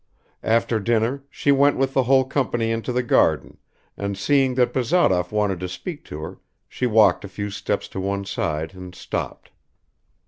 After dinner, she went with the whole company into the garden, and seeing that Bazarov wanted to speak to her, she walked a few steps to one side and stopped.